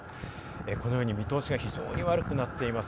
このように見通しが非常に悪くなっています。